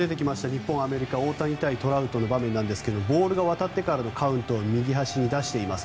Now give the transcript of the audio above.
日本アメリカ大谷対トラウトの場面ですがボールが渡ってからのカウント右端に出しています。